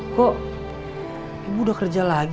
kok ibu udah kerja lagi